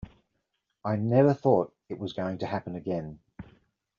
I never thought it was going to happen again.